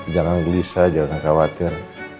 jangan gelisah jangan khawatir